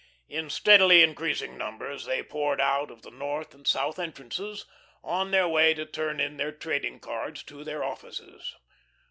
In steadily increasing numbers they poured out of the north and south entrances, on their way to turn in their trading cards to the offices.